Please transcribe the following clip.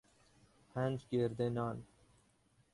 پنج گرده نان